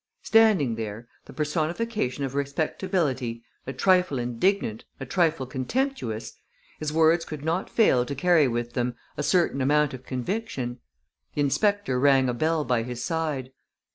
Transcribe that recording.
Standing there, the personification of respectability, a trifle indignant, a trifle contemptuous, his words could not fail to carry with them a certain amount of conviction. The inspector rang a bell by his side.